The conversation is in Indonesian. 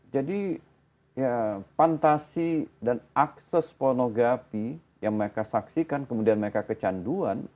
jadi ya fantasi dan akses pornografi yang mereka saksikan kemudian mereka kecanduan